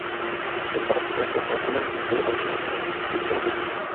এটি পাকস্থলীতে অ্যাসিডের ক্ষরণ কমায় বলে অরুচি, বমিভাব, বুক জ্বালা দূর হয়।